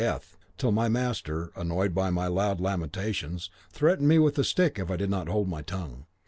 death, till my master, annoyed by my loud lamentations, threatened me with a great stick if I did not hold my tongue.